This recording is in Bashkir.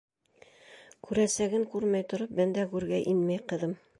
Күрәсәген күрмәй тороп, бәндә гүргә инмәй, ҡыҙым.